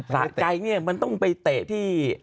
ศักดิ์ใจมันต้องไปเตะที่